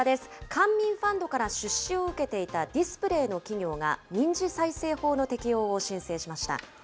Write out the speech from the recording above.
官民ファンドから出資を受けていたディスプレーの企業が、民事再生法の適用を申請しました。